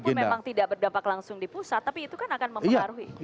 walaupun memang tidak berdampak langsung di pusat tapi itu kan akan mempengaruhi